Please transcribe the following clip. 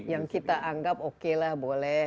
yang kita anggap oke lah boleh